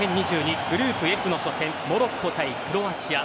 グループＦの初戦モロッコ対クロアチア。